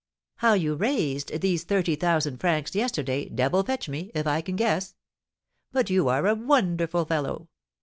How you raised these thirty thousand francs yesterday, devil fetch me, if I can guess! But you are a wonderful fellow!